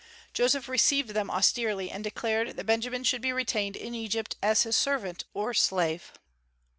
Joseph received them austerely, and declared that Benjamin should be retained in Egypt as his servant, or slave.